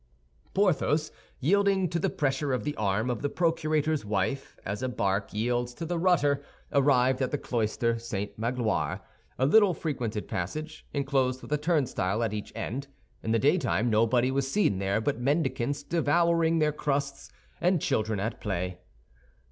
Porthos, yielding to the pressure of the arm of the procurator's wife, as a bark yields to the rudder, arrived at the cloister St. Magloire—a little frequented passage, enclosed with a turnstile at each end. In the daytime nobody was seen there but mendicants devouring their crusts, and children at play.